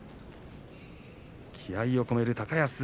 気合いを込める高安